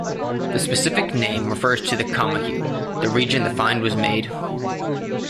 The specific name refers to the Comahue, the region the find was made.